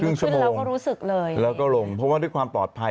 ขึ้นแล้วก็รู้สึกเลยแล้วก็ลงเพราะว่าด้วยความปลอดภัย